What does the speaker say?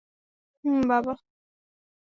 হুম, বাবা।